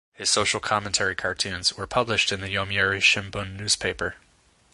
His social commentary cartoons were published in the Yomiuri Shimbun newspaper.